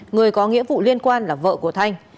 người có nghĩa vụ liên quan là vợ của thanh